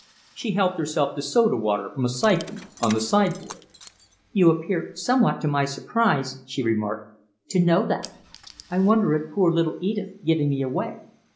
She helped herself to soda water from a siphon on the sideboard. "You appear, somewhat to my surprise," she remarked, "to know that. I wonder at poor little Edith giving me away."